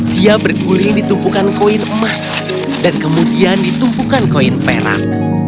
dia berguling di tumpukan koin emas dan kemudian ditumpukan koin perak